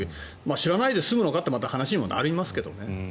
知らないで済むのかっていう話にもなりますけどね。